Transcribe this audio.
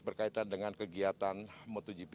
berkaitan dengan kegiatan motogp dua ribu dua puluh dua